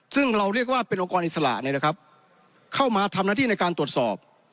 ซึ่งเราเรียกว่าเป็นองค์กรอิสระเข้ามาทำหน้าที่ในการตรวจสอบ